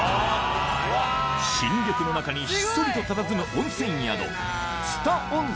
新緑の中にひっそりとたたずむ温泉宿